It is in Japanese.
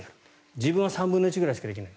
自分は３分の１くらいしかできない。